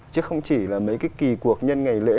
chứ không chỉ là mấy cái kỳ cuộc nhân ngày lễ